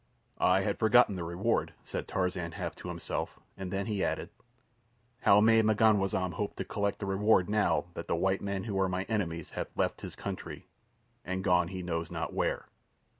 "I had forgotten the reward," said Tarzan, half to himself, and then he added, "How may M'ganwazam hope to collect the reward now that the white men who are my enemies have left his country and gone he knows not where?"